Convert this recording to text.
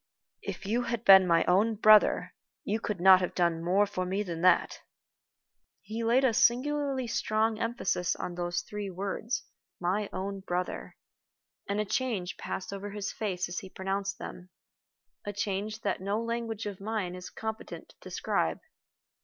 "If you had been my own brother, you could not have done more for me than that." He laid a singularly strong emphasis on those three words "my own brother," and a change passed over his face as he pronounced them a change that no language of mine is competent to describe.